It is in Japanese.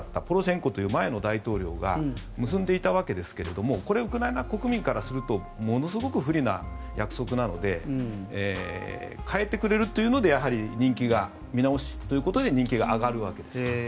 ポロシェンコという前の大統領が結んでいたわけですがこれ、ウクライナ国民からするとものすごく不利な約束なので変えてくれるというのでやはり見直しということで人気が上がるわけです。